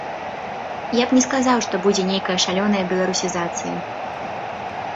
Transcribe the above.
Я б не сказаў, што будзе нейкая шалёная беларусізацыя.